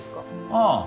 ああ。